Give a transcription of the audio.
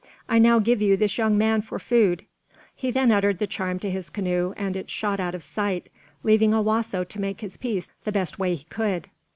I now give you this young man for food." He then uttered the charm to his canoe, and it shot out of sight, leaving Owasso to make his peace the best way he could.